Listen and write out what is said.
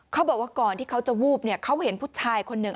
เขาบอกว่าก่อนที่เขาจะวูบเนี่ยเขาเห็นผู้ชายคนหนึ่ง